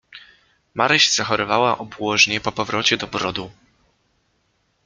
"Maryś zachorowała obłożnie po powrocie do Brodu."